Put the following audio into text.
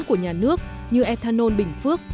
của nhà nước như ethanol bình phước